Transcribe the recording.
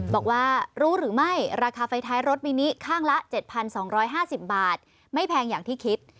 บอกว่ารู้หรือไม่ราคาไฟท้ายรถมินิข้างละ๗๒๕๐บาทไม่แพงอย่างที่คิด